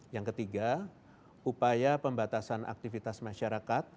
yang ketiga upaya pembatasan aktivitas masyarakat